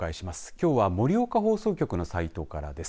きょうは盛岡放送局のサイトからです。